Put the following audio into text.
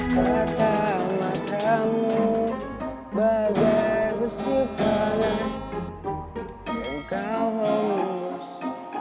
kata mata mu bagai besi panah yang kau lembus